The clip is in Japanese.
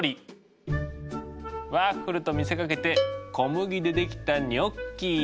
ワッフルと見せかけて小麦でできたニョッキ。